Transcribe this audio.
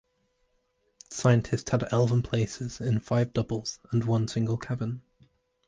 Scientists had eleven places in five double and one single cabin.